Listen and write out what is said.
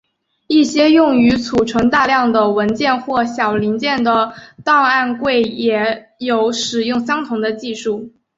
一些用于储存大量的文件或小零件的档案柜也有使用相同的技术。